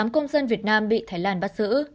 công dân việt nam bị thái lan bắt giữ